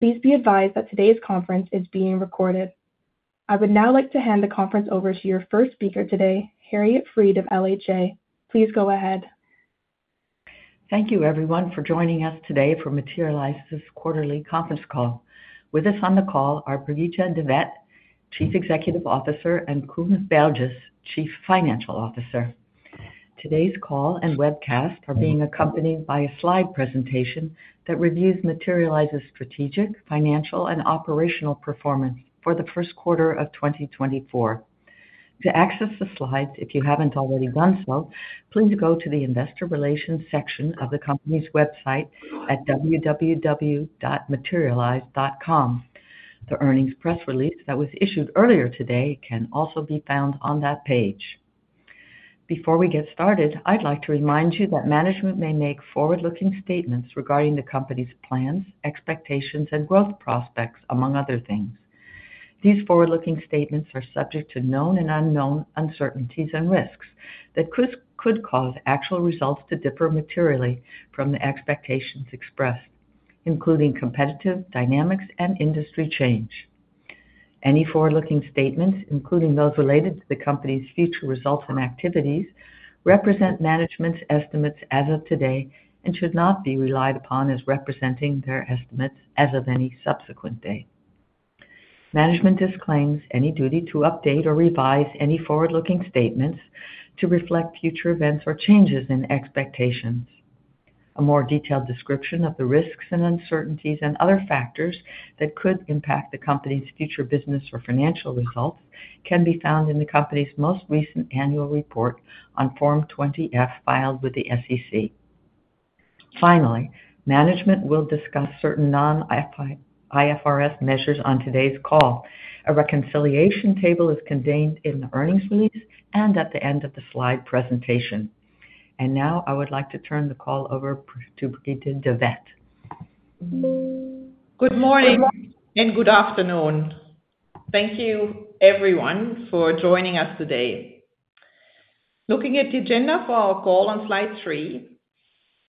Please be advised that today's conference is being recorded. I would now like to hand the conference over to your first speaker today, Harriet Fried of LHA. Please go ahead. Thank you, everyone, for joining us today for Materialise's Quarterly Conference Call. With us on the call are Brigitte de Vet-Veithen, Chief Executive Officer, and Koen Berges, Chief Financial Officer. Today's call and webcast are being accompanied by a slide presentation that reviews Materialise's strategic, financial, and operational performance for the first quarter of 2024. To access the slides, if you haven't already done so, please go to the Investor Relations section of the company's website at www.materialise.com. The earnings press release that was issued earlier today can also be found on that page. Before we get started, I'd like to remind you that management may make forward-looking statements regarding the company's plans, expectations, and growth prospects, among other things. These forward-looking statements are subject to known and unknown uncertainties and risks that could cause actual results to differ materially from the expectations expressed, including competitive dynamics and industry change. Any forward-looking statements, including those related to the company's future results and activities, represent management's estimates as of today and should not be relied upon as representing their estimates as of any subsequent day. Management disclaims any duty to update or revise any forward-looking statements to reflect future events or changes in expectations. A more detailed description of the risks and uncertainties and other factors that could impact the company's future business or financial results can be found in the company's most recent annual report on Form 20-F filed with the SEC. Finally, management will discuss certain non-IFRS measures on today's call. A reconciliation table is contained in the earnings release and at the end of the slide presentation. Now I would like to turn the call over to Brigitte de Vet-Veithen. Good morning and good afternoon. Thank you, everyone, for joining us today. Looking at the agenda for our call on slide 3,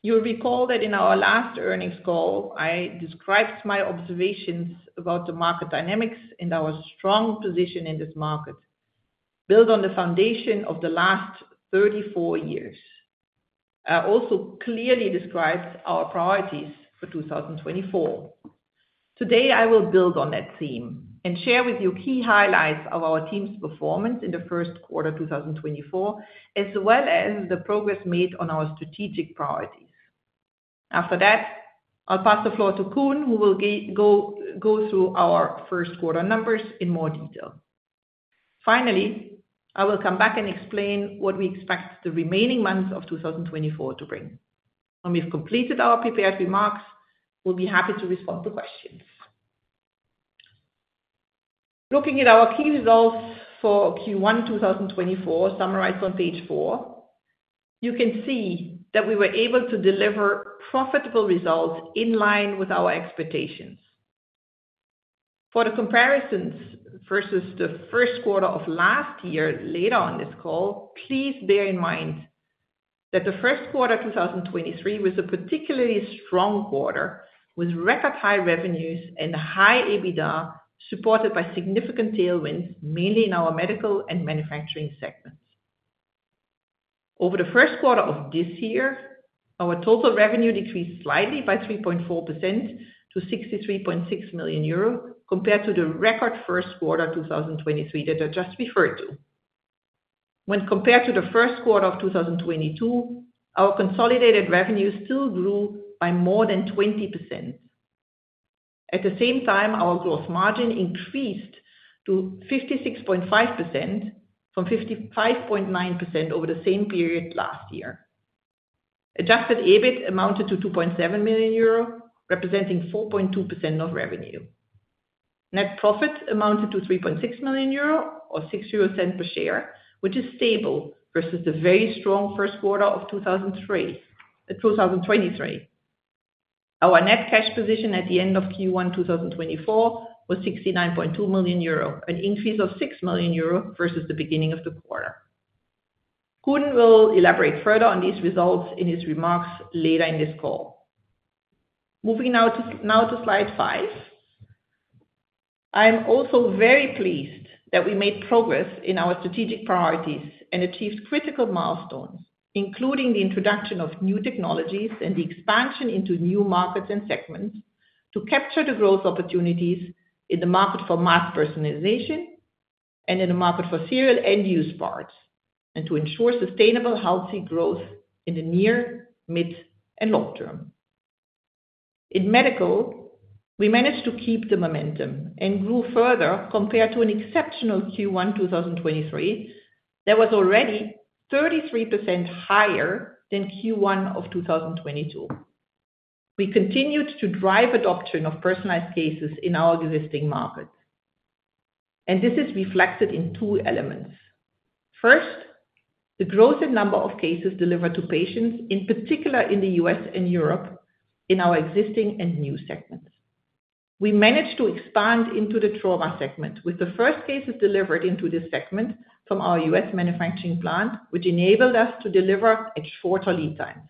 you'll recall that in our last earnings call, I described my observations about the market dynamics and our strong position in this market built on the foundation of the last 34 years. I also clearly described our priorities for 2024. Today, I will build on that theme and share with you key highlights of our team's performance in the first quarter of 2024, as well as the progress made on our strategic priorities. After that, I'll pass the floor to Koen, who will go through our first quarter numbers in more detail. Finally, I will come back and explain what we expect the remaining months of 2024 to bring. When we've completed our prepared remarks, we'll be happy to respond to questions. Looking at our key results for Q1 2024 summarized on page 4, you can see that we were able to deliver profitable results in line with our expectations. For the comparisons versus the first quarter of last year later on this call, please bear in mind that the first quarter of 2023 was a particularly strong quarter with record-high revenues and high EBITDA supported by significant tailwinds, mainly in our medical and manufacturing segments. Over the first quarter of this year, our total revenue decreased slightly by 3.4% to 63.6 million euro compared to the record first quarter of 2023 that I just referred to. When compared to the first quarter of 2022, our consolidated revenue still grew by more than 20%. At the same time, our gross margin increased to 56.5% from 55.9% over the same period last year. Adjusted EBIT amounted to 2.7 million euro, representing 4.2% of revenue. Net profit amounted to 3.6 million euro or 0.06 per share, which is stable versus the very strong first quarter of 2023. Our net cash position at the end of Q1 2024 was 69.2 million euro, an increase of 6 million euro versus the beginning of the quarter. Koen will elaborate further on these results in his remarks later in this call. Moving now to slide five, I'm also very pleased that we made progress in our strategic priorities and achieved critical milestones, including the introduction of new technologies and the expansion into new markets and segments to capture the growth opportunities in the market for mass personalization and in the market for serial end-use parts, and to ensure sustainable, healthy growth in the near, mid, and long term. In medical, we managed to keep the momentum and grew further compared to an exceptional Q1 2023 that was already 33% higher than Q1 of 2022. We continued to drive adoption of personalized cases in our existing markets. This is reflected in two elements. First, the growth in number of cases delivered to patients, in particular in the U.S. and Europe, in our existing and new segments. We managed to expand into the trauma segment with the first cases delivered into this segment from our U.S. manufacturing plant, which enabled us to deliver at shorter lead times.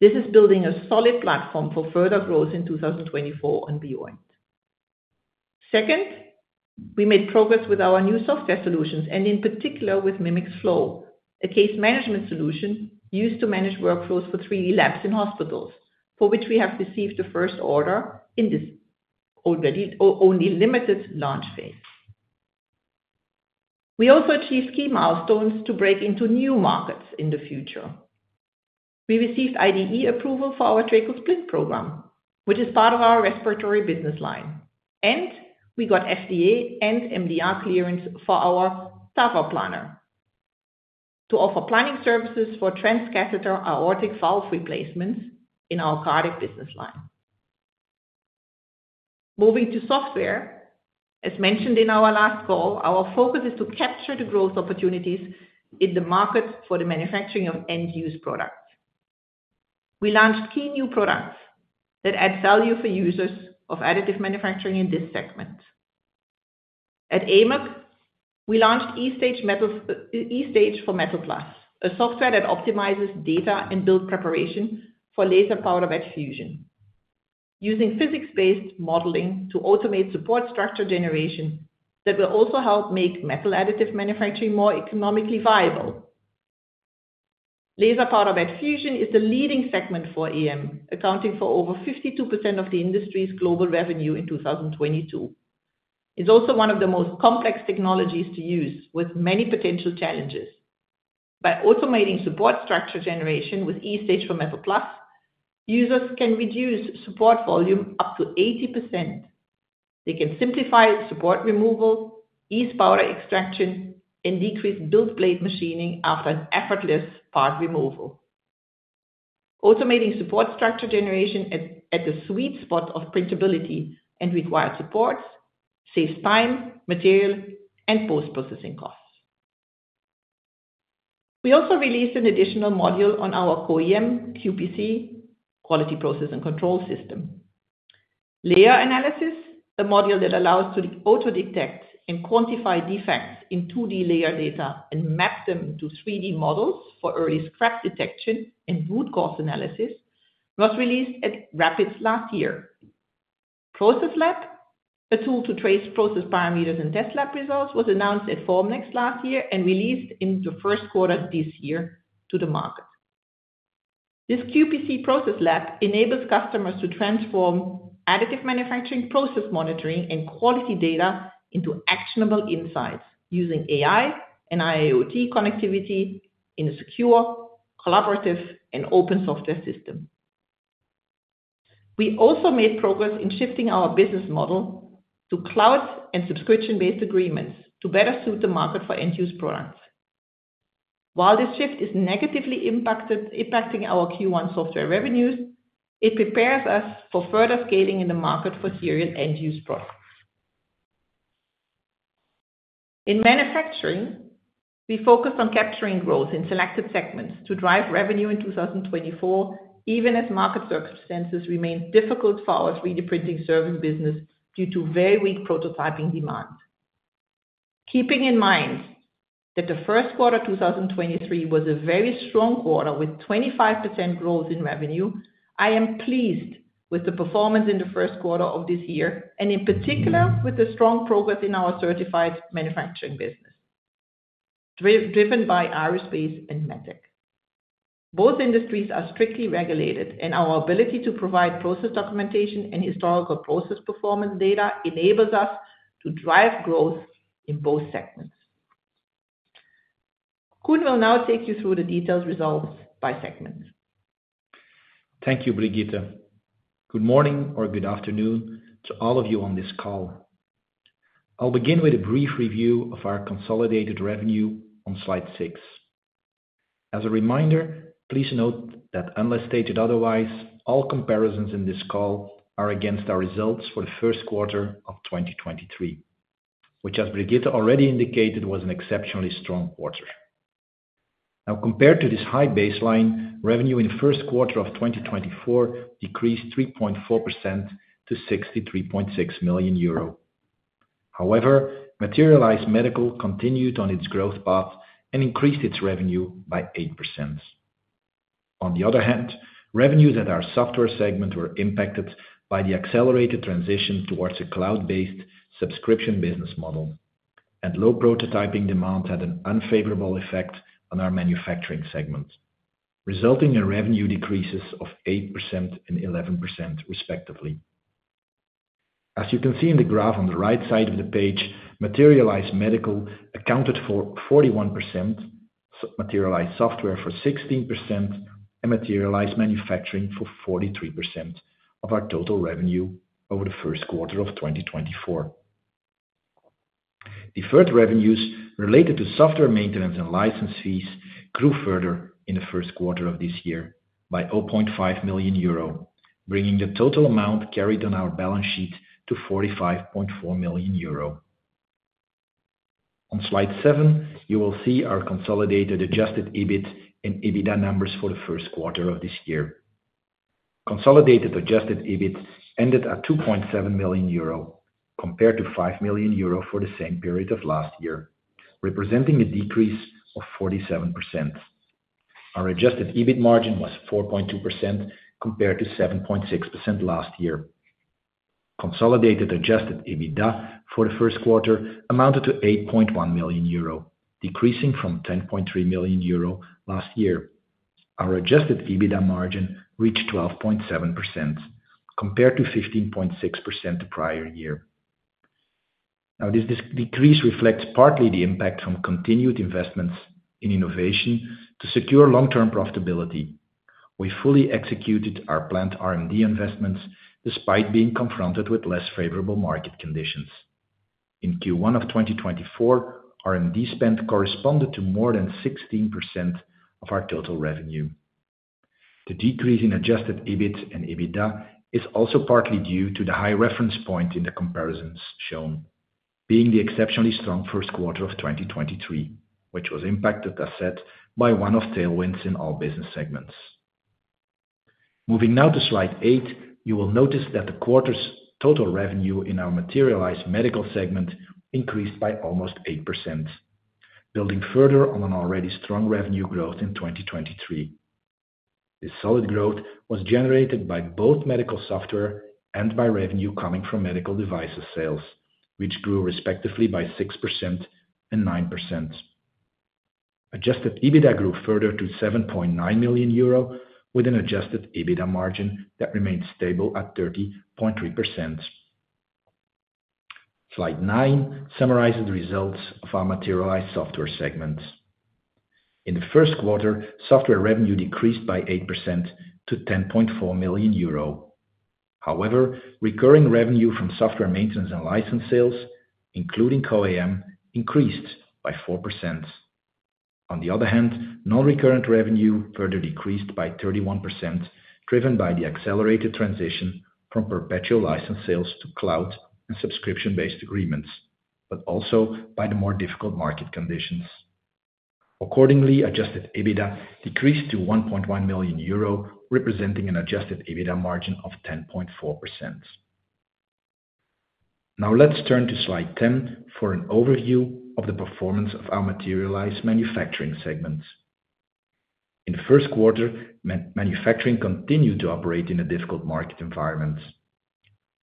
This is building a solid platform for further growth in 2024 and beyond. Second, we made progress with our new software solutions, and in particular with Mimics Flow, a case management solution used to manage workflows for 3D labs in hospitals, for which we have received the first order in this already only limited launch phase. We also achieved key milestones to break into new markets in the future. We received IDE approval for our tracheal splint program, which is part of our respiratory business line, and we got FDA and MDR clearance for our TAVR Planner to offer planning services for transcatheter aortic valve replacements in our cardiac business line. Moving to software, as mentioned in our last call, our focus is to capture the growth opportunities in the market for the manufacturing of end-use products. We launched key new products that add value for users of additive manufacturing in this segment. At AMUG, we launched e-Stage for Metal+, a software that optimizes data and build preparation for Laser powder bed fusion, using physics-based modeling to automate support structure generation that will also help make metal additive manufacturing more economically viable. Laser powder bed fusion is the leading segment for AM, accounting for over 52% of the industry's global revenue in 2022. It's also one of the most complex technologies to use, with many potential challenges. By automating support structure generation with e-Stage for Metal+, users can reduce support volume up to 80%. They can simplify support removal, ease powder extraction, and decrease build plate machining after an effortless part removal. Automating support structure generation at the sweet spot of printability and required supports saves time, material, and post-processing costs. We also released an additional module on our CO-AM, QPC, Quality Process and Control System. Layer Analysis, a module that allows us to auto-detect and quantify defects in 2D layer data and map them to 3D models for early scrap detection and root cause analysis, was released at RAPID last year. ProcessLab, a tool to trace process parameters and test lab results, was announced at Formnext last year and released in the first quarter of this year to the market. This QPC ProcessLab enables customers to transform additive manufacturing process monitoring and quality data into actionable insights using AI and IoT connectivity in a secure, collaborative, and open software system. We also made progress in shifting our business model to cloud and subscription-based agreements to better suit the market for end-use products. While this shift is negatively impacting our Q1 software revenues, it prepares us for further scaling in the market for serial end-use products. In manufacturing, we focused on capturing growth in selected segments to drive revenue in 2024, even as market circumstances remained difficult for our 3D printing service business due to very weak prototyping demand. Keeping in mind that the first quarter of 2023 was a very strong quarter with 25% growth in revenue, I am pleased with the performance in the first quarter of this year and, in particular, with the strong progress in our certified manufacturing business, driven by aerospace and medtech. Both industries are strictly regulated, and our ability to provide process documentation and historical process performance data enables us to drive growth in both segments. Koen will now take you through the detailed results by segments. Thank you, Brigitte. Good morning or good afternoon to all of you on this call. I'll begin with a brief review of our consolidated revenue on slide six. As a reminder, please note that unless stated otherwise, all comparisons in this call are against our results for the first quarter of 2023, which, as Brigitte already indicated, was an exceptionally strong quarter. Now, compared to this high baseline, revenue in the first quarter of 2024 decreased 3.4% to 63.6 million euro. However, Materialise Medical continued on its growth path and increased its revenue by 8%. On the other hand, revenues at our software segment were impacted by the accelerated transition towards a cloud-based subscription business model, and low prototyping demands had an unfavorable effect on our manufacturing segment, resulting in revenue decreases of 8% and 11%, respectively. As you can see in the graph on the right side of the page, Materialise Medical accounted for 41%, Materialise Software for 16%, and Materialise Manufacturing for 43% of our total revenue over the first quarter of 2024. Deferred revenues related to software maintenance and license fees grew further in the first quarter of this year by 0.5 million euro, bringing the total amount carried on our balance sheet to 45.4 million euro. On slide seven, you will see our consolidated Adjusted EBIT and EBITDA numbers for the first quarter of this year. Consolidated Adjusted EBIT ended at 2.7 million euro compared to 5 million euro for the same period of last year, representing a decrease of 47%. Our Adjusted EBIT margin was 4.2% compared to 7.6% last year. Consolidated Adjusted EBITDA for the first quarter amounted to 8.1 million euro, decreasing from 10.3 million euro last year. Our adjusted EBITDA margin reached 12.7% compared to 15.6% the prior year. Now, this decrease reflects partly the impact from continued investments in innovation to secure long-term profitability. We fully executed our planned R&D investments despite being confronted with less favorable market conditions. In Q1 of 2024, R&D spend corresponded to more than 16% of our total revenue. The decrease in adjusted EBIT and EBITDA is also partly due to the high reference point in the comparisons shown, being the exceptionally strong first quarter of 2023, which was impacted, as said, by one of the tailwinds in all business segments. Moving now to slide eight, you will notice that the quarter's total revenue in our Materialise Medical segment increased by almost 8%, building further on an already strong revenue growth in 2023. This solid growth was generated by both medical software and by revenue coming from medical devices sales, which grew respectively by 6% and 9%. Adjusted EBITDA grew further to 7.9 million euro with an adjusted EBITDA margin that remained stable at 30.3%. Slide nine summarizes the results of our Materialise Software segment. In the first quarter, software revenue decreased by 8% to 10.4 million euro. However, recurring revenue from software maintenance and license sales, including CO-AM, increased by 4%. On the other hand, non-recurrent revenue further decreased by 31%, driven by the accelerated transition from perpetual license sales to cloud and subscription-based agreements, but also by the more difficult market conditions. Accordingly, adjusted EBITDA decreased to 1.1 million euro, representing an adjusted EBITDA margin of 10.4%. Now, let's turn to slide 10 for an overview of the performance of our Materialise manufacturing segments. In the first quarter, manufacturing continued to operate in a difficult market environment.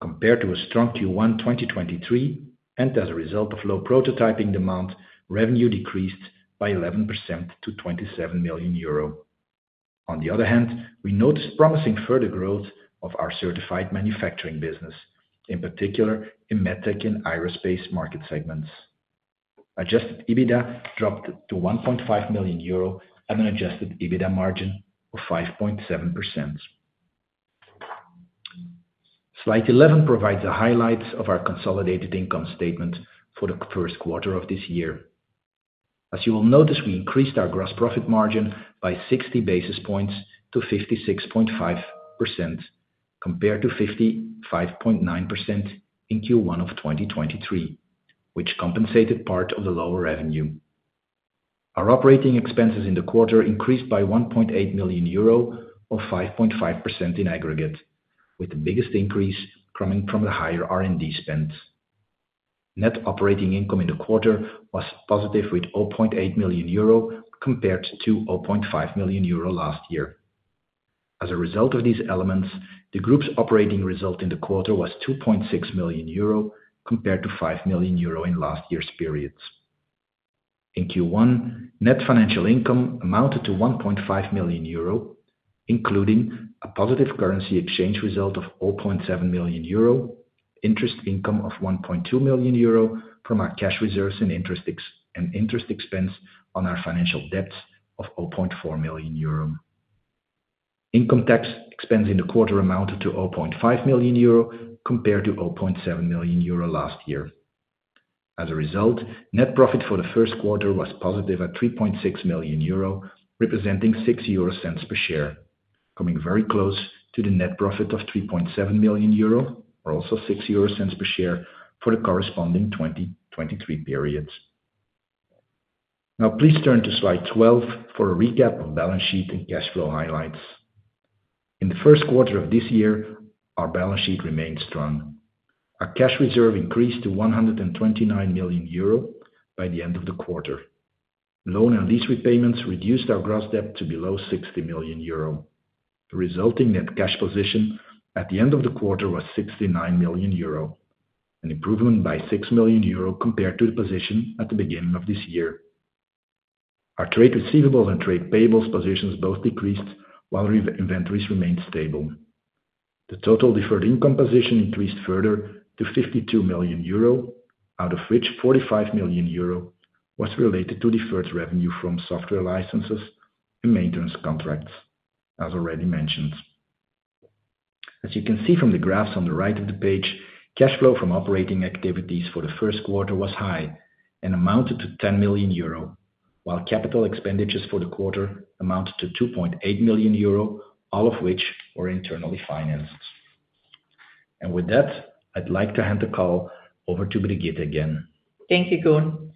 Compared to a strong Q1 2023 and as a result of low prototyping demand, revenue decreased by 11% to 27 million euro. On the other hand, we noticed promising further growth of our certified manufacturing business, in particular in Medtech and Aerospace market segments. Adjusted EBITDA dropped to 1.5 million euro and an adjusted EBITDA margin of 5.7%. Slide 11 provides the highlights of our consolidated income statement for the first quarter of this year. As you will notice, we increased our gross profit margin by 60 basis points to 56.5% compared to 55.9% in Q1 of 2023, which compensated part of the lower revenue. Our operating expenses in the quarter increased by 1.8 million euro or 5.5% in aggregate, with the biggest increase coming from the higher R&D spend. Net operating income in the quarter was positive with 0.8 million euro compared to 0.5 million euro last year. As a result of these elements, the group's operating result in the quarter was 2.6 million euro compared to 5 million euro in last year's periods. In Q1, net financial income amounted to 1.5 million euro, including a positive currency exchange result of 0.7 million euro, interest income of 1.2 million euro from our cash reserves and interest expense on our financial debts of 0.4 million euro. Income tax expense in the quarter amounted to 0.5 million euro compared to 0.7 million euro last year. As a result, net profit for the first quarter was positive at 3.6 million euro, representing 0.06 per share, coming very close to the net profit of 3.7 million euro or also 0.06 per share for the corresponding 2023 periods. Now, please turn to slide 12 for a recap of balance sheet and cash flow highlights. In the first quarter of this year, our balance sheet remained strong. Our cash reserve increased to 129 million euro by the end of the quarter. Loan and lease repayments reduced our gross debt to below 60 million euro. The resulting net cash position at the end of the quarter was 69 million euro, an improvement by 6 million euro compared to the position at the beginning of this year. Our trade receivables and trade payables positions both decreased while inventories remained stable. The total deferred income position increased further to 52 million euro, out of which 45 million euro was related to deferred revenue from software licenses and maintenance contracts, as already mentioned. As you can see from the graphs on the right of the page, cash flow from operating activities for the first quarter was high and amounted to 10 million euro, while capital expenditures for the quarter amounted to 2.8 million euro, all of which were internally financed. And with that, I'd like to hand the call over to Brigitte again. Thank you, Koen.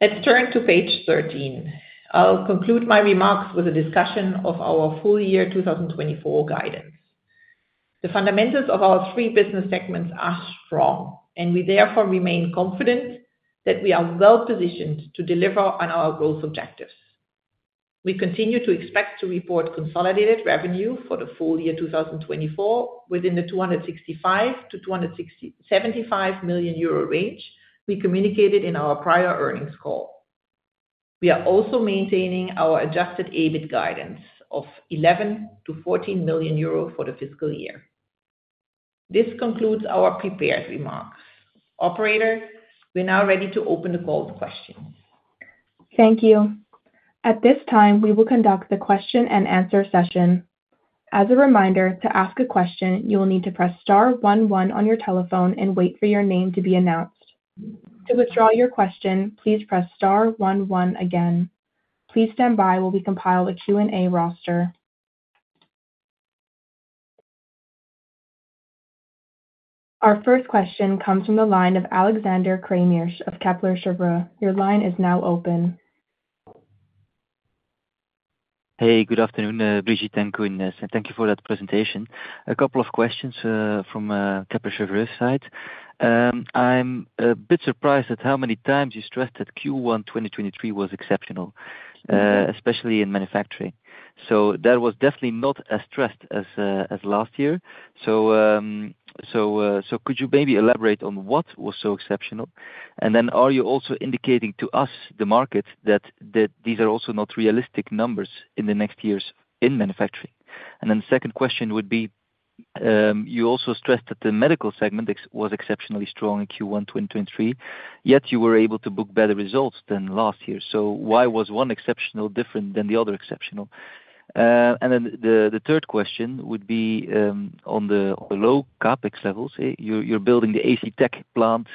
Let's turn to page 13. I'll conclude my remarks with a discussion of our full year 2024 guidance. The fundamentals of our three business segments are strong, and we therefore remain confident that we are well positioned to deliver on our growth objectives. We continue to expect to report consolidated revenue for the full year 2024 within the 265 million-275 million euro range we communicated in our prior earnings call. We are also maintaining our adjusted EBIT guidance of 11 million-14 million euro for the fiscal year. This concludes our prepared remarks. Operator, we're now ready to open the call to questions. Thank you. At this time, we will conduct the question and answer session. As a reminder, to ask a question, you will need to press star 11 on your telephone and wait for your name to be announced. To withdraw your question, please press star 11 again. Please stand by while we compile a Q&A roster. Our first question comes from the line of Alexander Craeymeersch of Kepler Cheuvreux. Your line is now open. Hey, good afternoon, Brigitte and Koen. Thank you for that presentation. A couple of questions from Kepler Cheuvreux side. I'm a bit surprised at how many times you stressed that Q1 2023 was exceptional, especially in manufacturing. So that was definitely not as stressed as last year. So could you maybe elaborate on what was so exceptional? And then are you also indicating to us, the market, that these are also not realistic numbers in the next years in manufacturing? And then the second question would be, you also stressed that the medical segment was exceptionally strong in Q1 2023, yet you were able to book better results than last year. So why was one exceptional different than the other exceptional? And then the third question would be on the low CapEx levels. You're building the ACTech plant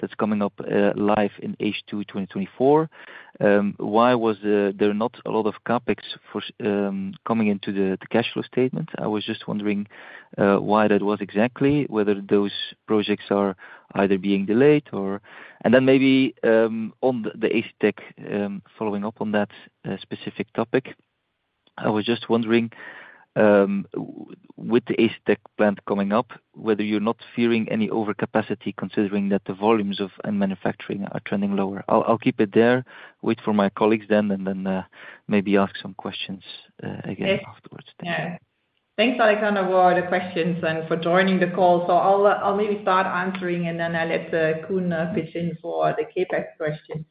that's coming up live in H2 2024. Why was there not a lot of CapEx coming into the cash flow statement? I was just wondering why that was exactly, whether those projects are either being delayed or and then maybe on the ACTech, following up on that specific topic, I was just wondering with the ACTech plant coming up, whether you're not fearing any overcapacity considering that the volumes of manufacturing are trending lower. I'll keep it there, wait for my colleagues then, and then maybe ask some questions again afterwards. Yeah. Thanks, Alexander, for the questions and for joining the call. So I'll maybe start answering, and then I'll let Koen pitch in for the CapEx question.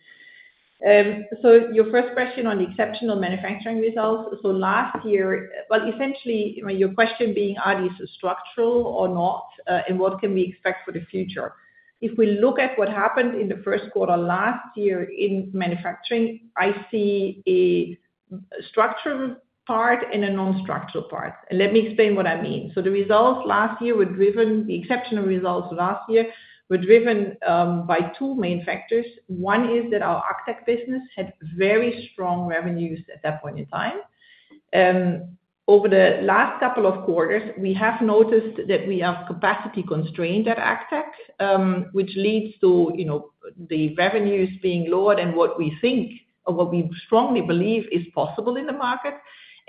So your first question on the exceptional manufacturing results. So last year well, essentially, your question being, are these structural or not, and what can we expect for the future? If we look at what happened in the first quarter last year in manufacturing, I see a structural part and a non-structural part. And let me explain what I mean. So the exceptional results last year were driven by two main factors. One is that our ACTech business had very strong revenues at that point in time. Over the last couple of quarters, we have noticed that we have capacity constraint at ACTech, which leads to the revenues being lowered and what we think or what we strongly believe is possible in the market.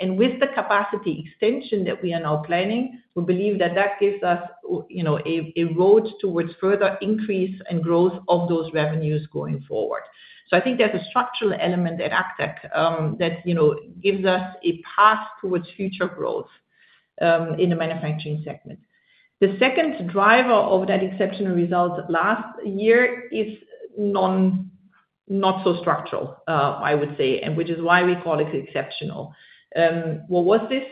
With the capacity extension that we are now planning, we believe that that gives us a road towards further increase and growth of those revenues going forward. I think there's a structural element at ACTech that gives us a path towards future growth in the manufacturing segment. The second driver of that exceptional result last year is not so structural, I would say, and which is why we call it exceptional. What was this?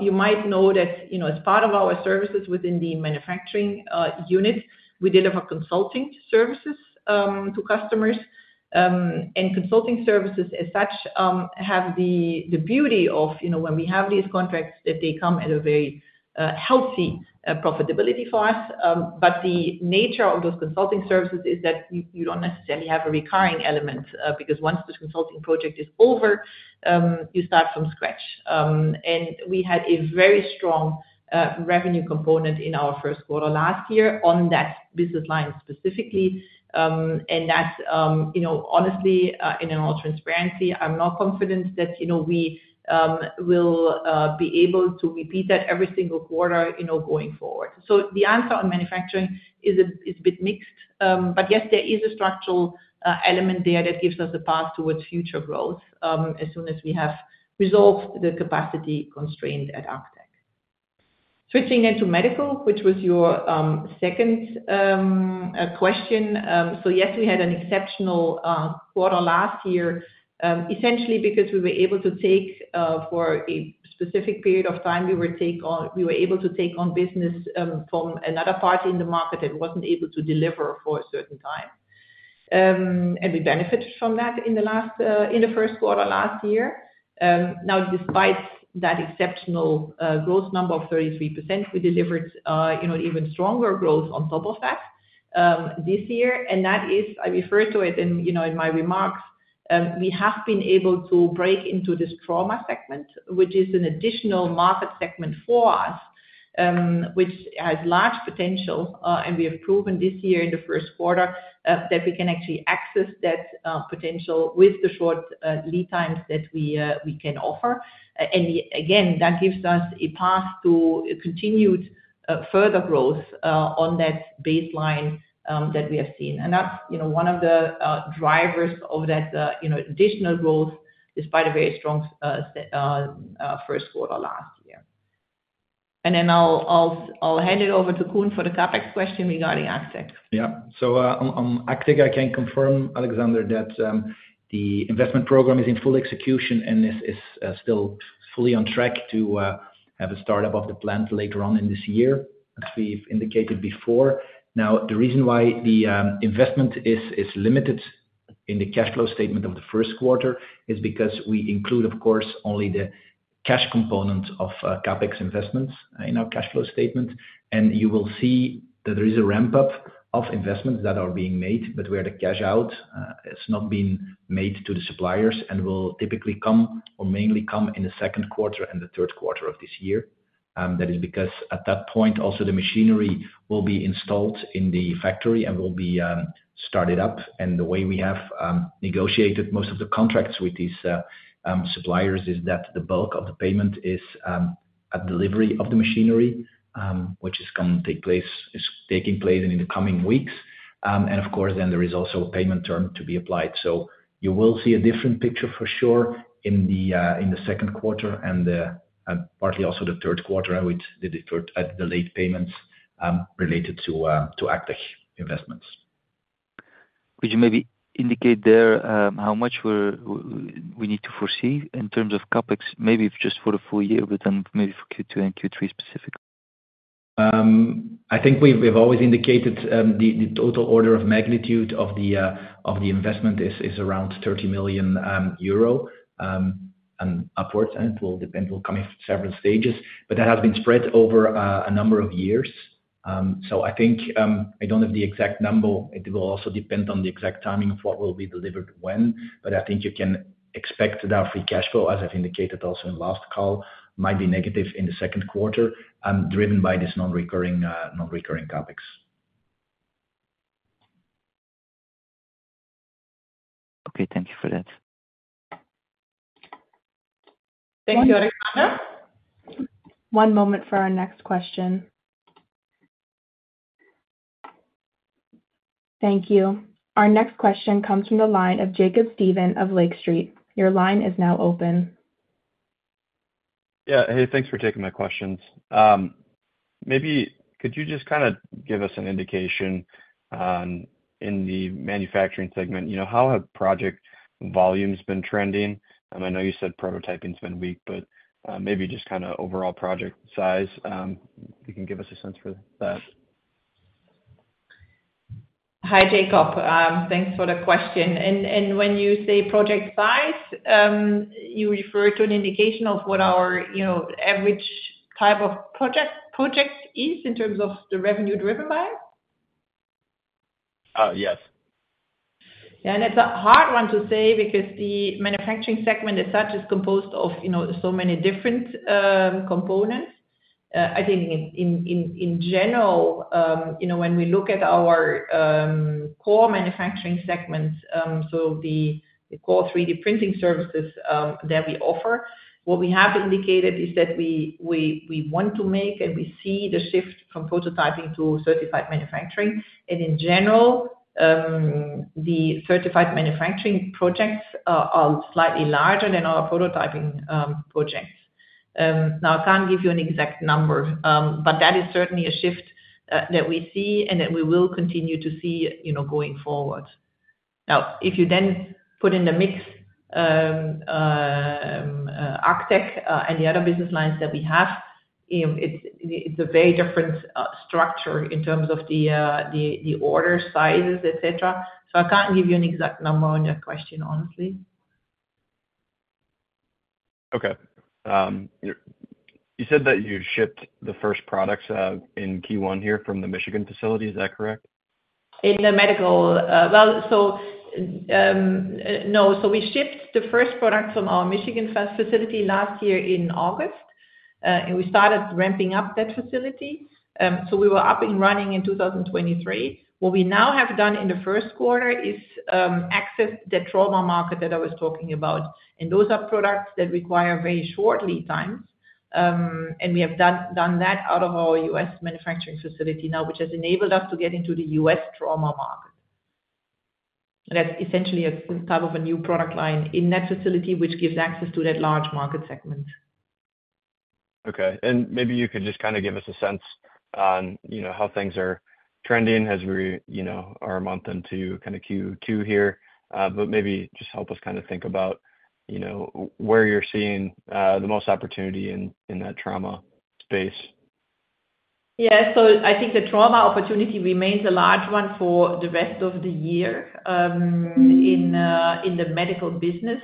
You might know that as part of our services within the manufacturing unit, we deliver consulting services to customers. And consulting services as such have the beauty of when we have these contracts, that they come at a very healthy profitability for us. But the nature of those consulting services is that you don't necessarily have a recurring element because once the consulting project is over, you start from scratch. And we had a very strong revenue component in our first quarter last year on that business line specifically. And that's honestly, in all transparency, I'm not confident that we will be able to repeat that every single quarter going forward. So the answer on manufacturing is a bit mixed. But yes, there is a structural element there that gives us a path towards future growth as soon as we have resolved the capacity constraint at ACTech. Switching into medical, which was your second question. So yes, we had an exceptional quarter last year, essentially because we were able to take for a specific period of time, we were able to take on business from another party in the market that wasn't able to deliver for a certain time. And we benefited from that in the first quarter last year. Now, despite that exceptional growth number of 33%, we delivered even stronger growth on top of that this year. And that is I refer to it in my remarks. We have been able to break into this trauma segment, which is an additional market segment for us, which has large potential. And we have proven this year in the first quarter that we can actually access that potential with the short lead times that we can offer. And again, that gives us a path to continued further growth on that baseline that we have seen. That's one of the drivers of that additional growth despite a very strong first quarter last year. Then I'll hand it over to Koen for the CAPEX question regarding ACTech. Yeah. So on ACTech, I can confirm, Alexander, that the investment program is in full execution and is still fully on track to have a startup of the plant later on in this year, as we've indicated before. Now, the reason why the investment is limited in the cash flow statement of the first quarter is because we include, of course, only the cash component of CAPEX investments in our cash flow statement. And you will see that there is a ramp-up of investments that are being made, but where the cash out has not been made to the suppliers and will typically come or mainly come in the second quarter and the third quarter of this year. That is because at that point, also, the machinery will be installed in the factory and will be started up. The way we have negotiated most of the contracts with these suppliers is that the bulk of the payment is at delivery of the machinery, which is going to take place is taking place in the coming weeks. Of course, then there is also a payment term to be applied. You will see a different picture for sure in the second quarter and partly also the third quarter with the late payments related to ACTech investments. Could you maybe indicate there how much we need to foresee in terms of CapEx, maybe just for the full year, but then maybe for Q2 and Q3 specifically? I think we've always indicated the total order of magnitude of the investment is around 30 million euro and upwards. It will depend. It will come in several stages. That has been spread over a number of years. I think I don't have the exact number. It will also depend on the exact timing of what will be delivered when. But I think you can expect that our free cash flow, as I've indicated also in the last call, might be negative in the second quarter driven by this non-recurring CapEx. Okay. Thank you for that. Thank you, Alexander. One moment for our next question. Thank you. Our next question comes from the line of Jacob Stephan of Lake Street. Your line is now open. Yeah. Hey, thanks for taking my questions. Maybe could you just kind of give us an indication in the manufacturing segment? How have project volumes been trending? And I know you said prototyping's been weak, but maybe just kind of overall project size. If you can give us a sense for that. Hi, Jacob. Thanks for the question. When you say project size, you refer to an indication of what our average type of project is in terms of the revenue driven by? Yes. Yeah. And it's a hard one to say because the manufacturing segment as such is composed of so many different components. I think in general, when we look at our core manufacturing segments, so the core 3D printing services that we offer, what we have indicated is that we want to make and we see the shift from prototyping to certified manufacturing. And in general, the certified manufacturing projects are slightly larger than our prototyping projects. Now, I can't give you an exact number, but that is certainly a shift that we see and that we will continue to see going forward. Now, if you then put in the mix ACTech and the other business lines that we have, it's a very different structure in terms of the order sizes, etc. So I can't give you an exact number on that question, honestly. Okay. You said that you shipped the first products in Q1 here from the Michigan facility. Is that correct? In the medical, well, so no. So we shipped the first product from our Michigan facility last year in August. We started ramping up that facility. So we were up and running in 2023. What we now have done in the first quarter is access that trauma market that I was talking about. Those are products that require very short lead times. We have done that out of our US manufacturing facility now, which has enabled us to get into the U.S. trauma market. That's essentially a type of a new product line in that facility, which gives access to that large market segment. Okay. Maybe you could just kind of give us a sense on how things are trending as we are a month into kind of Q2 here. Maybe just help us kind of think about where you're seeing the most opportunity in that trauma space. Yeah. So I think the trauma opportunity remains a large one for the rest of the year in the medical business.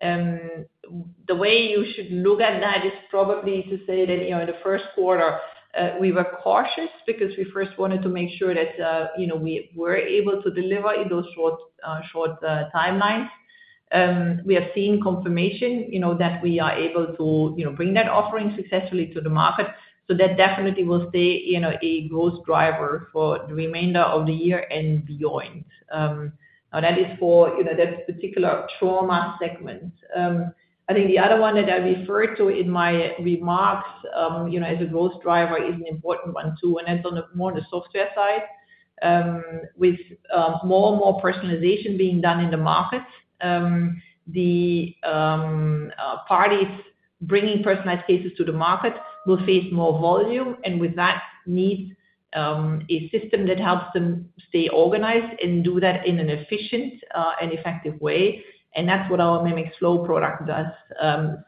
The way you should look at that is probably to say that in the first quarter, we were cautious because we first wanted to make sure that we were able to deliver in those short timelines. We have seen confirmation that we are able to bring that offering successfully to the market. So that definitely will stay a growth driver for the remainder of the year and beyond. Now, that is for that particular trauma segment. I think the other one that I referred to in my remarks as a growth driver is an important one too. And that's on more on the software side. With more and more personalization being done in the markets, the parties bringing personalized cases to the market will face more volume. And with that, need a system that helps them stay organized and do that in an efficient and effective way. And that's what our Mimics Flow product does.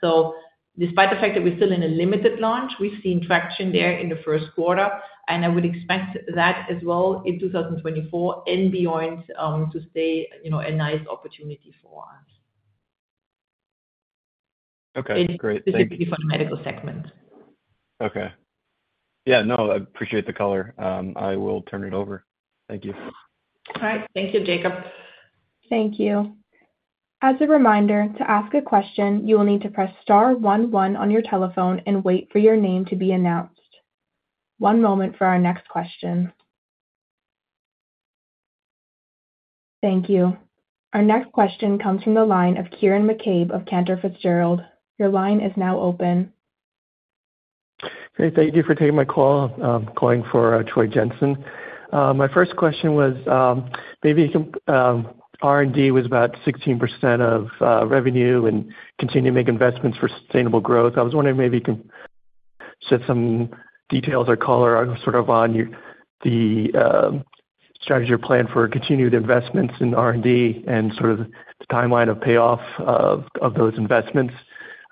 So despite the fact that we're still in a limited launch, we've seen traction there in the first quarter. And I would expect that as well in 2024 and beyond to stay a nice opportunity for us. Okay. Great. Thank you. Specifically for the medical segment. Okay. Yeah. No, I appreciate the color. I will turn it over. Thank you. All right. Thank you, Jacob. Thank you. As a reminder, to ask a question, you will need to press star 11 on your telephone and wait for your name to be announced. One moment for our next question. Thank you. Our next question comes from the line of Kieran McCabe of Cantor Fitzgerald. Your line is now open. Hey, thank you for taking my call. I'm calling for Troy Jensen. My first question was maybe R&D was about 16% of revenue and continue to make investments for sustainable growth. I was wondering maybe you can share some details or color sort of on the strategy or plan for continued investments in R&D and sort of the timeline of payoff of those investments.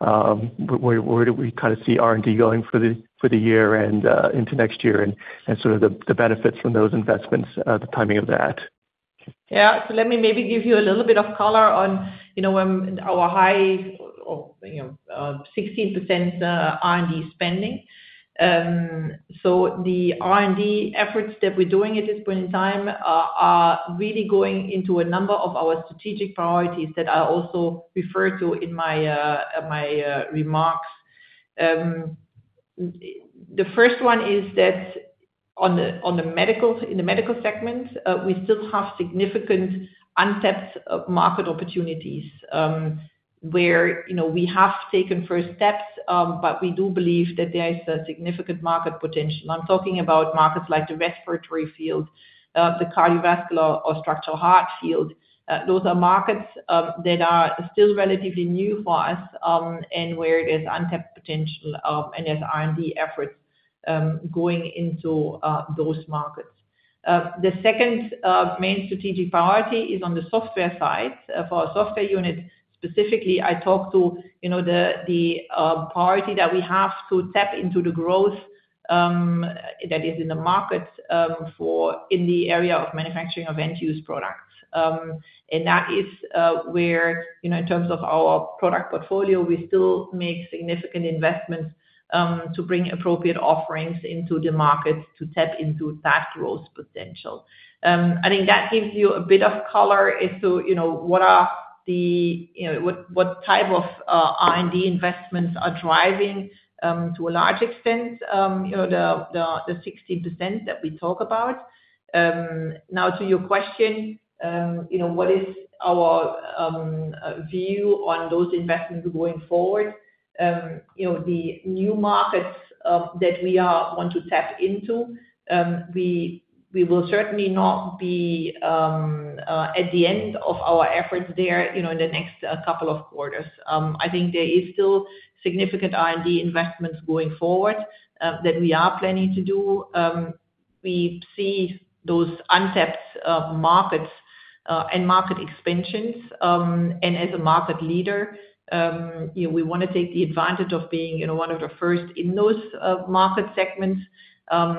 Where do we kind of see R&D going for the year and into next year and sort of the benefits from those investments, the timing of that? Yeah. So let me maybe give you a little bit of color on our high or 16% R&D spending. So the R&D efforts that we're doing at this point in time are really going into a number of our strategic priorities that I also refer to in my remarks. The first one is that in the medical segment, we still have significant untapped market opportunities where we have taken first steps, but we do believe that there is significant market potential. I'm talking about markets like the respiratory field, the cardiovascular or structural heart field. Those are markets that are still relatively new for us and where there's untapped potential and there's R&D efforts going into those markets. The second main strategic priority is on the software side. For our software unit specifically, I talk to the priority that we have to tap into the growth that is in the markets in the area of manufacturing of end-use products. And that is where in terms of our product portfolio, we still make significant investments to bring appropriate offerings into the markets to tap into that growth potential. I think that gives you a bit of color as to what type of R&D investments are driving to a large extent, the 16% that we talk about. Now, to your question, what is our view on those investments going forward? The new markets that we want to tap into, we will certainly not be at the end of our efforts there in the next couple of quarters. I think there is still significant R&D investments going forward that we are planning to do. We see those untapped markets and market expansions. And as a market leader, we want to take the advantage of being one of the first in those market segments and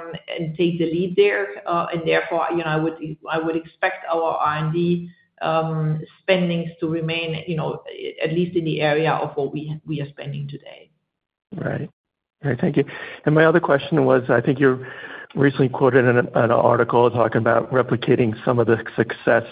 take the lead there. And therefore, I would expect our R&D spendings to remain at least in the area of what we are spending today. Right. Right. Thank you. And my other question was I think you recently quoted an article talking about replicating some of the success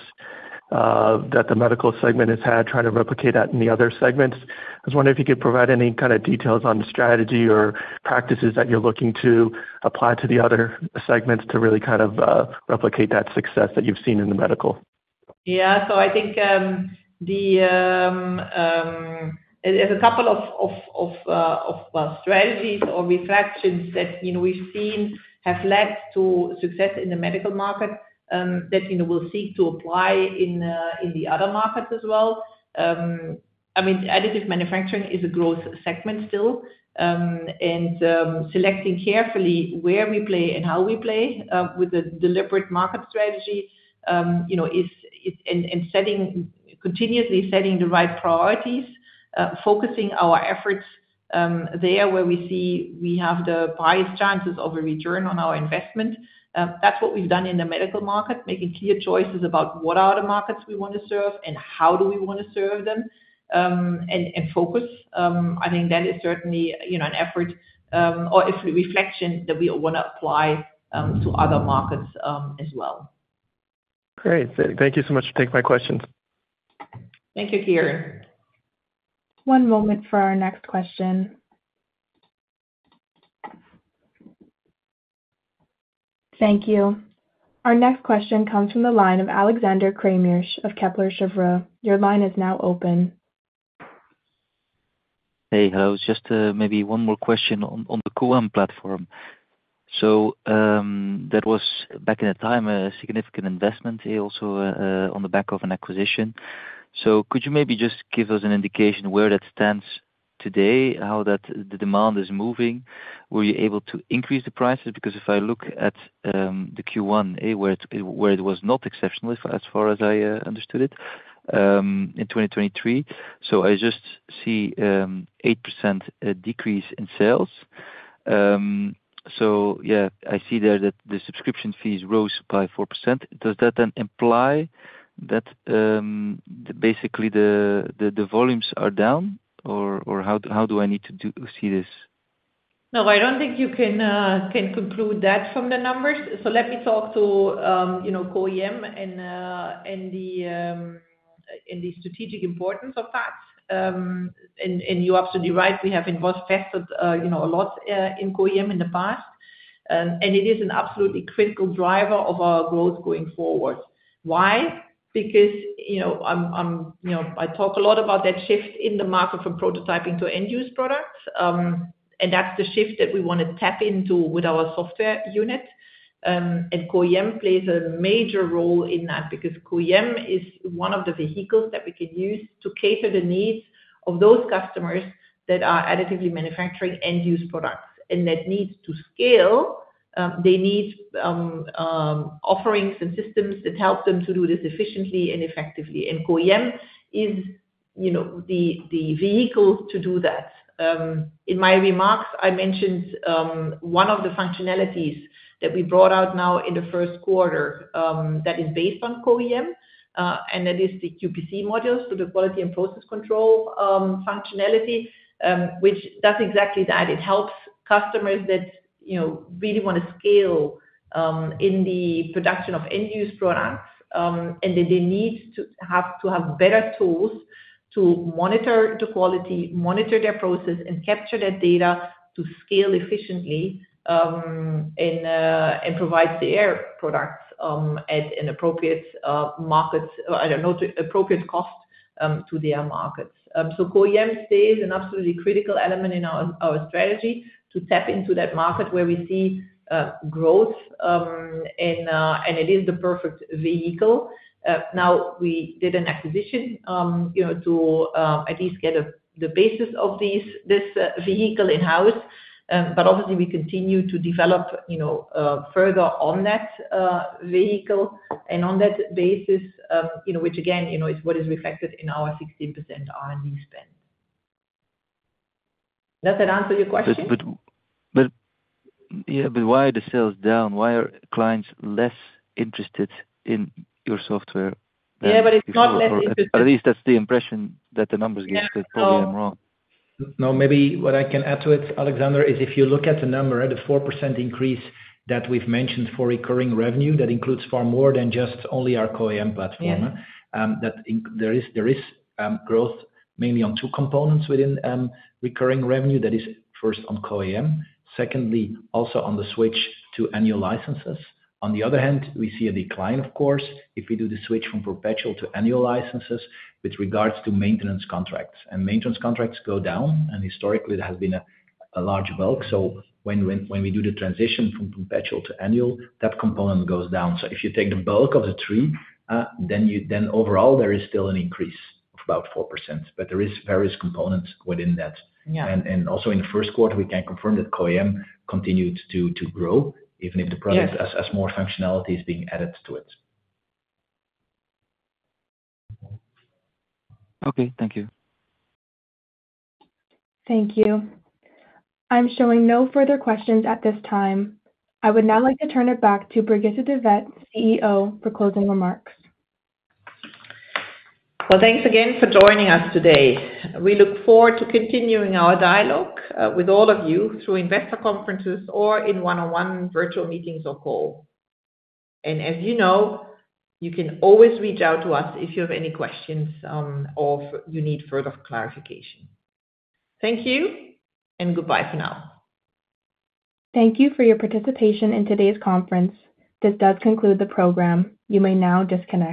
that the medical segment has had, trying to replicate that in the other segments. I was wondering if you could provide any kind of details on the strategy or practices that you're looking to apply to the other segments to really kind of replicate that success that you've seen in the medical. Yeah. So I think there's a couple of strategies or reflections that we've seen have led to success in the medical market that we'll seek to apply in the other markets as well. I mean, additive manufacturing is a growth segment still. And selecting carefully where we play and how we play with a deliberate market strategy and continuously setting the right priorities, focusing our efforts there where we see we have the highest chances of a return on our investment. That's what we've done in the medical market, making clear choices about what are the markets we want to serve and how do we want to serve them and focus. I think that is certainly an effort or a reflection that we want to apply to other markets as well. Great. Thank you so much for taking my questions. Thank you, Kieran. One moment for our next question. Thank you. Our next question comes from the line of Alexander Craeymeersch of Kepler Cheuvreux. Your line is now open. Hey. Hello. It's just maybe one more question on the CO-AM platform. So that was back in the time a significant investment, also on the back of an acquisition. So could you maybe just give us an indication where that stands today, how the demand is moving? Were you able to increase the prices? Because if I look at the Q1, where it was not exceptional as far as I understood it in 2023, so I just see 8% decrease in sales. So yeah, I see there that the subscription fees rose by 4%. Does that then imply that basically the volumes are down, or how do I need to see this? No, I don't think you can conclude that from the numbers. So let me talk to CO-AM and the strategic importance of that. And you're absolutely right. We have invested a lot in CO-AM in the past. And it is an absolutely critical driver of our growth going forward. Why? Because I talk a lot about that shift in the market from prototyping to end-use products. And that's the shift that we want to tap into with our software unit. And CO-AM plays a major role in that because CO-AM is one of the vehicles that we can use to cater the needs of those customers that are additively manufacturing end-use products. And that needs to scale. They need offerings and systems that help them to do this efficiently and effectively. And CO-AM is the vehicle to do that. In my remarks, I mentioned one of the functionalities that we brought out now in the first quarter that is based on CO-AM. That is the QPC modules, so the quality and process control functionality, which does exactly that. It helps customers that really want to scale in the production of end-use products. That they need to have better tools to monitor the quality, monitor their process, and capture that data to scale efficiently and provide their products at an appropriate market, I don't know, to appropriate cost to their markets. CO-AM stays an absolutely critical element in our strategy to tap into that market where we see growth. It is the perfect vehicle. Now, we did an acquisition to at least get the basis of this vehicle in-house. But obviously, we continue to develop further on that vehicle and on that basis, which again is what is reflected in our 16% R&D spend. Does that answer your question? But yeah, but why are the sales down? Why are clients less interested in your software? Yeah, but it's not less interested. Or at least that's the impression that the numbers give. But probably I'm wrong. No, maybe what I can add to it, Alexander, is if you look at the number, the 4% increase that we've mentioned for recurring revenue, that includes far more than just only our CO-AM platform. There is growth mainly on two components within recurring revenue. That is first on CO-AM. Secondly, also on the switch to annual licenses. On the other hand, we see a decline, of course, if we do the switch from perpetual to annual licenses with regard to maintenance contracts. Maintenance contracts go down. Historically, there has been a large bulk. So when we do the transition from perpetual to annual, that component goes down. So if you take the bulk of the three, then overall, there is still an increase of about 4%. But there are various components within that. Also in the first quarter, we can confirm that CO-AM continued to grow even if the product has more functionality is being added to it. Okay. Thank you. Thank you. I'm showing no further questions at this time. I would now like to turn it back to Brigitte de Vet-Veithen, CEO, for closing remarks. Well, thanks again for joining us today. We look forward to continuing our dialogue with all of you through investor conferences or in one-on-one virtual meetings or call. As you know, you can always reach out to us if you have any questions or you need further clarification. Thank you. Goodbye for now. Thank you for your participation in today's conference. This does conclude the program. You may now disconnect.